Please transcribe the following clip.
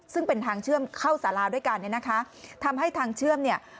ซึ่งเป็นทางเชื่อมเข้าสาราด้วยกันเนี่ยนะคะทำให้ทางเชื่อมเนี่ย